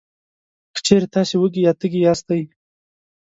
که چېرې تاسې وږي یا تږي یاستی،